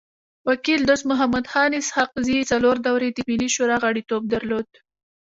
وکيل دوست محمد خان اسحق زی څلور دوري د ملي شورا غړیتوب درلود.